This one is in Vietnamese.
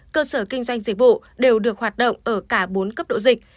cơ sở kinh doanh dịch vụ đều được hoạt động ở cả bốn cấp độ dịch